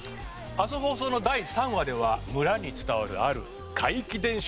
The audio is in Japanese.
明日放送の第３話では村に伝わるある怪奇伝承が登場します。